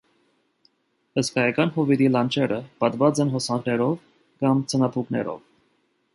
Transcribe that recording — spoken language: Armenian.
Հսկայան հովիտի լանջերը պատված են հոսանքներով կամ ձնաբուքներով։